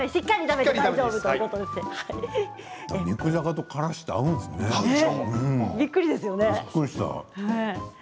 肉じゃがとからしって合うんですね。